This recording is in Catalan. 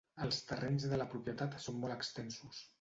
Els terrenys de la propietat són molt extensos.